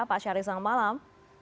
pak syahril selamat malam